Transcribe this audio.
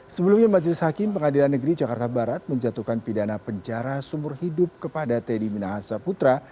sebelumnya majelis hakim pengadilan negeri jakarta barat menjatuhkan pidana penjara sumur hidup kepada teddy minahasa putra